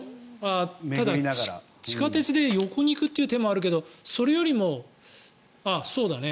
ただ、地下鉄で横に行くという手もあるけどそれよりもそうだね。